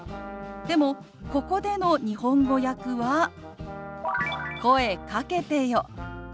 でもここでの日本語訳は「声かけてよ」。